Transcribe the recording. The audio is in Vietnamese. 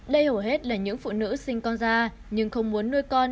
đây hầu hết là những phụ nữ sinh con da nhưng không muốn nuôi con